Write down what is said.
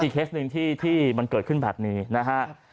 เคสหนึ่งที่มันเกิดขึ้นแบบนี้นะฮะ